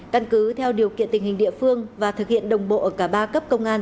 căn cứ theo điều kiện tình hình địa phương và thực hiện đồng bộ ở cả ba cấp công an